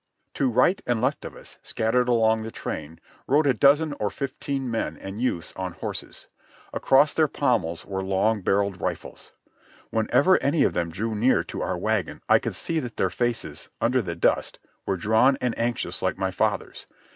To right and left of us, scattered along the train, rode a dozen or fifteen men and youths on horses. Across their pommels were long barrelled rifles. Whenever any of them drew near to our wagon I could see that their faces, under the dust, were drawn and anxious like my father's.